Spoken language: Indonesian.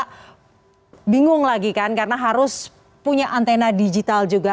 anda bingung lagi kan karena harus punya antena digital juga